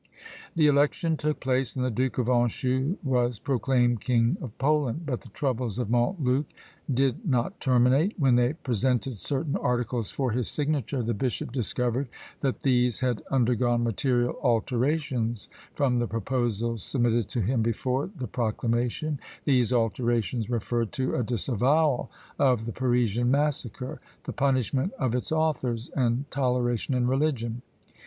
The election took place, and the Duke of Anjou was proclaimed King of Poland but the troubles of Montluc did not terminate. When they presented certain articles for his signature, the bishop discovered that these had undergone material alterations from the proposals submitted to him before the proclamation; these alterations referred to a disavowal of the Parisian massacre; the punishment of its authors, and toleration in religion.